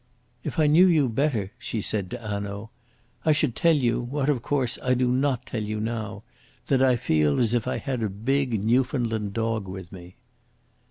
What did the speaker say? "If I knew you better," she said to Hanaud, "I should tell you what, of course, I do not tell you now that I feel as if I had a big Newfoundland dog with me."